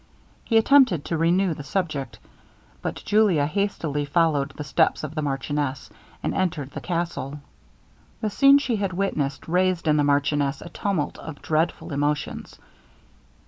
He attempted to renew the subject, but Julia hastily followed the steps of the marchioness, and entered the castle. The scene she had witnessed, raised in the marchioness a tumult of dreadful emotions.